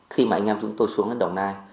khi mà anh em chúng tôi xuống đến đồng nai